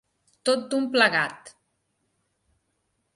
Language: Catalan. Tot d'un plegat.